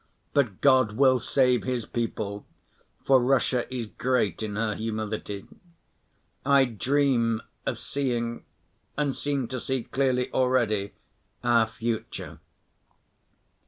But God will save His people, for Russia is great in her humility. I dream of seeing, and seem to see clearly already, our future.